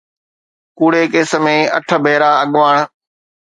ڪوڙي ڪيس ۾ اٺ ڀيرا اڳواڻ